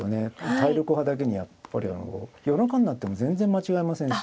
体力派だけにやっぱりあの夜中になっても全然間違えませんし。